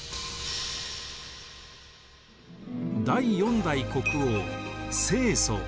第４代国王世宗。